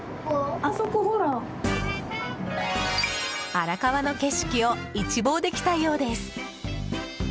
荒川の景色を一望できたようです。